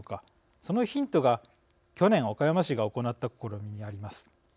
そのヒントが去年岡山市が行った試みにあります。